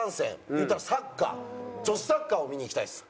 言ったらサッカー女子サッカーを見に行きたいです。